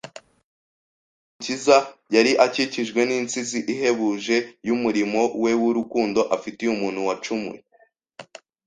Ahubwo Umukiza yari akikijwe n'insinzi ihebuje y'umurimo we w'urukundo afitiye umuntu wacumuye